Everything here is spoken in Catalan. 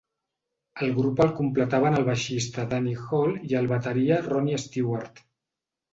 El grup el completaven el baixista Danny Hull i el bateria Ronnie Stewart.